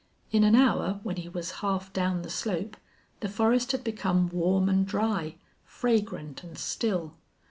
In an hour, when he was half down the slope, the forest had become warm and dry, fragrant and still.